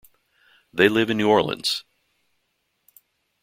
They live in New Orleans.